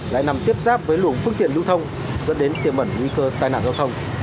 dẫn đến lưu thông dẫn đến tiềm bẩn nguy cơ tai nạn giao thông